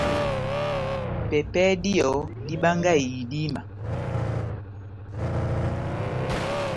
Pɛpɛhɛ díyɔ, dibangahi idíma.